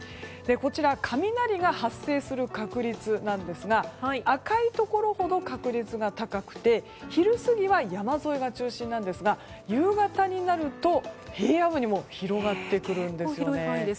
こちら、雷が発生する確率ですが赤いところほど確率が高くて昼過ぎは山沿いが中心なんですが夕方になると平野部にも広がってくるんですね。